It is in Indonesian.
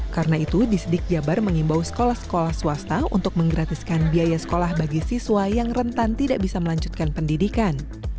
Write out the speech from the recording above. karena itu disedik jabar mengimbau sekolah sekolah swasta untuk menggratiskan biaya sekolah bagi siswa yang rentan tidak bisa melanjutkan pendidikan